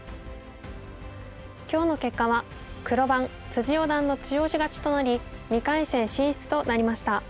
今日の結果は黒番四段の中押し勝ちとなり２回戦進出となりました。